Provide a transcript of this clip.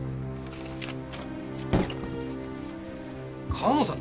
鴨さん